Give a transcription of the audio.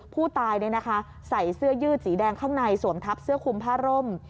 ผู้ตายใส่เสื้อยืดสีแดงข้างในสวมทับเสื้อคุมผ้าร่ม